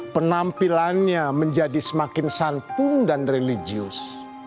penampilannya menjadi semakin santun dan religius